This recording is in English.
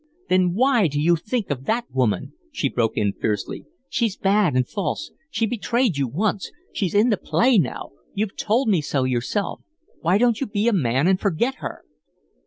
"Then why do you think of that woman?" she broke in, fiercely. "She's bad and false. She betrayed you once; she's in the play now; you've told me so yourself. Why don't you be a man and forget her?"